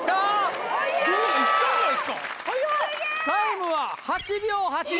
タイムは８秒８２！